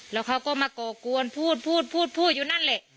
แล้วเขาก็มาโกกวนพูดพูดพูดพูดอยู่นั่นเลย